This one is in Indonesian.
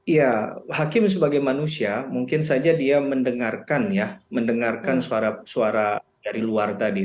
ya hakim sebagai manusia mungkin saja dia mendengarkan ya mendengarkan suara dari luar tadi